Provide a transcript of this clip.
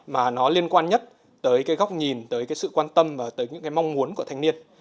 mà nó liên quan nhất tới góc nhìn tới sự quan tâm và tới những mong muốn của thanh niên